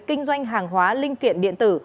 kinh doanh hàng hóa linh kiện điện tử